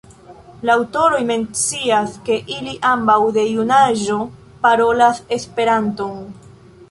La aŭtoroj mencias, ke ili ambaŭ de junaĝo parolas Esperanton.